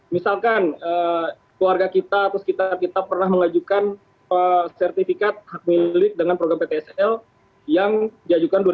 misalkan keluarga kita atau sekitar kita pernah mengajukan sertifikat hak milik dengan program ptsl yang diajukan dua ribu dua